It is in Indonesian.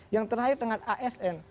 yang terakhir dengan asn